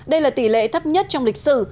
đây là tỷ lệ thấp nhất trong lịch sử